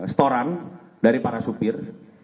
setoran dari para supir